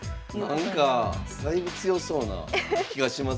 なんかだいぶ強そうな気がしますが。